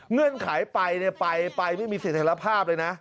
เงื่อนไขไปไม่มีเสร็จแทนภาพเลยนะ